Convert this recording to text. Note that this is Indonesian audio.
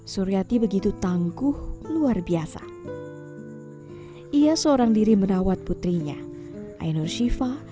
suryati begitu tangguh luar biasa ia seorang diri merawat putrinya ainur shiva